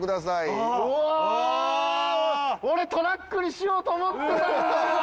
俺トラックにしようと思ってたんだよ！